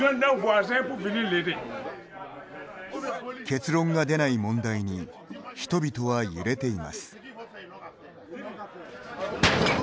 結論が出ない問題に人々は揺れています。